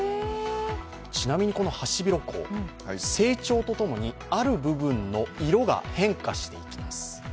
ちなみにこのハシビロコウ、成長とともにある部分の色が変化していきます。